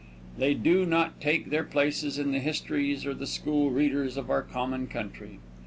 They do not take their places in the histories or the school readers of our common country.